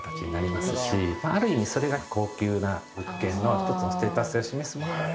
ある意味それが高級な物件の１つのステータスを示すものにも。